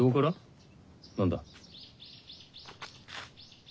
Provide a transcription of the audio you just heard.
何だ？